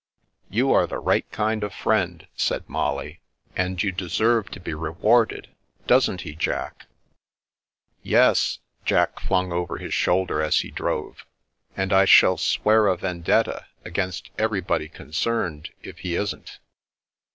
You are the right kind of friend," said Molly, €t 332 The Princess Passes "and you deserve to be rewarded, doesn't he, Jack?" " Yes," Jack fiung over his shoulder as he drove; "and I shall swear a vendetta against everybody concerned, if he isn't."